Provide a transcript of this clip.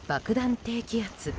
低気圧。